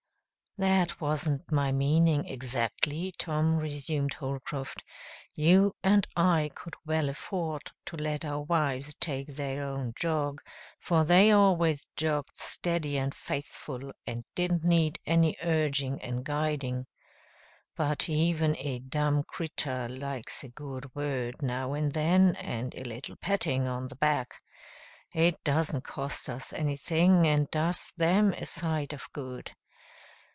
"That wasn't my meaning, exactly, Tom," resumed Holcroft. "You and I could well afford to let our wives take their own jog, for they always jogged steady and faithful and didn't need any urging and guiding. But even a dumb critter likes a good word now and then and a little patting on the back. It doesn't cost us anything and does them a sight of good.